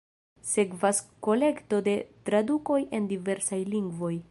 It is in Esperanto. Sekvas kolekto de tradukoj en diversaj lingvoj.